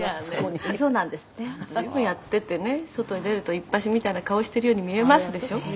「随分やっててね外に出るといっぱしみたいな顔してるように見えますでしょ。